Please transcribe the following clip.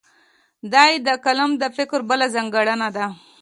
دا یې د کالم د فکر بله ځانګړنه ده.